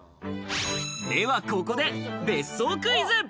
では、ここで別荘クイズ。